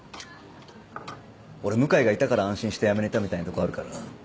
俺向井がいたから安心して辞めれたみたいなとこあるから。